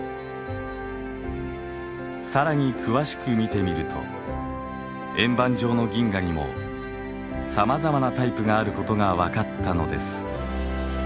更に詳しく見てみると円盤状の銀河にもさまざまなタイプがあることがわかったのです。